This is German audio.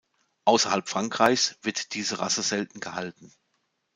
Außerhalb Frankreichs wird diese Rasse selten gehalten.